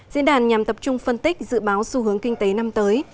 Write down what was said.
diễn đàn nhằm tập trung phân tích dự báo xu hướng kinh tế năm tới